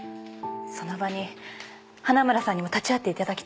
その場に花村さんにも立ち会って頂きたいんです。